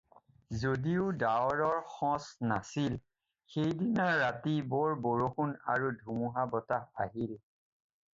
যদিও ডাৱৰৰ সঁচ নাছিল সেই দিনা ৰাতি বৰ বৰষুণ আৰু ধুমুহা বতাহ আহিল।